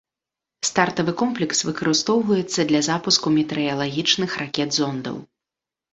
Стартавы комплекс выкарыстоўваецца для запуску метэаралагічных ракет-зондаў.